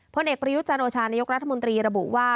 ผลเอกประยุทธ์จันโอชานายกรัฐมนตรีระบุว่า